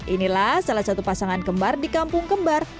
inilah salah satu pasangan kembar di kampung kembar